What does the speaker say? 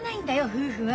夫婦は。